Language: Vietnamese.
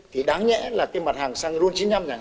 thì đáng nhẽ là cái mặt hàng xăng run chín mươi năm nhà hàng